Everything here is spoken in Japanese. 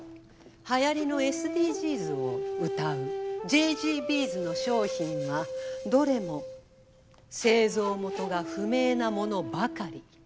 はやりのＳＤＧｓをうたうＪＧＶｓの商品はどれも製造元が不明なものばかり。